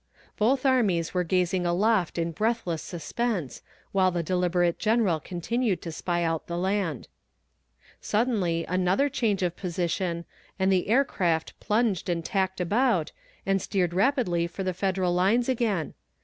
Both armies were gazing aloft in breathless suspense, while the deliberate general continued to spy out the land. Suddenly another change of position, and the air craft plunged and tacked about, and steered rapidly for the Federal lines again.